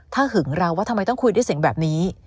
ถ้าหึงเราว่าทำไมต้องคุยด้วยเสียงแบบนี้